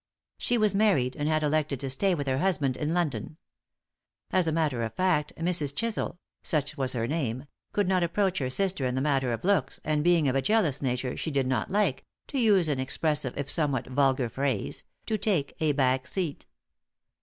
She was married, and had elected to stay with her husband in London. As a matter of fact, Mrs. Chisel such was her name could not approach her sister in the matter of looks, and being of a jealous nature did not like to use an expressive, if somewhat vulgar, phrase to take a back seat.